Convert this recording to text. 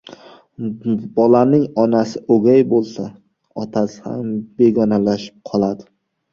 • Bolaning onasi o‘gay bo‘lsa, otasi ham begonalashib qoladi.